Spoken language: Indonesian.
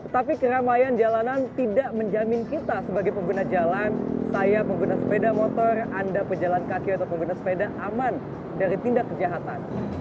tapi keramaian jalanan tidak menjamin kita sebagai pengguna jalan saya pengguna sepeda motor anda pejalan kaki atau pengguna sepeda aman dari tindak kejahatan